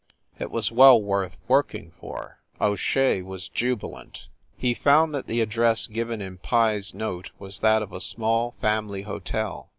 It was well worth working for. O Shea was jubi lant. He found that the address given in Pye s note was that of a small family hotel.